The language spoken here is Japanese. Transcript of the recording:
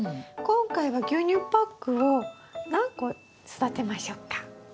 今回は牛乳パックを何個育てましょうか？